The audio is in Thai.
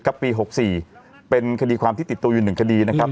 ปี๖๔เป็นคดีความที่ติดตัวอยู่๑คดีนะครับ